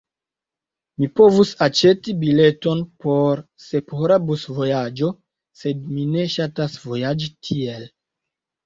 Mi povus aĉeti bileton por sephora busvojaĝo, sed mi ne ŝatas vojaĝi tiel.